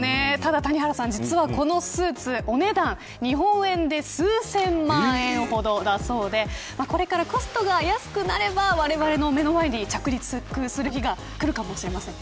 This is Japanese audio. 谷原さん、ただ実はこのスーツお値段、日本円で数千万円ほどだそうでこれからコストが安くなればわれわれの目の前に着陸する日がくるかもしません。